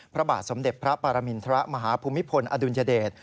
พระบาทสมเด็จพระปรมินทรมาฮภูมิพลอดุลยเดช